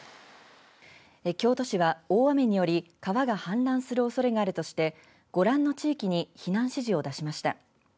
京都市は大雨により川が氾濫するおそれがあるとしてご覧の地域に避難指示を出しました。